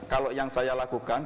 kalau yang saya lakukan